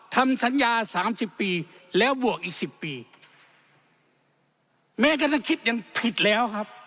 ทำสัญญาสามสิบปีแล้วบวกอีกสิบปีแม้กระทั่งคิดยังผิดแล้วครับ